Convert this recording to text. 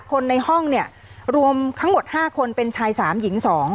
คนในห้องเนี่ยรวมทั้งหมด๕คนเป็นชาย๓หญิง๒